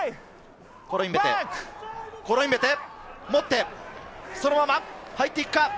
コロインベテ、持って、そのまま持って、入っていくか？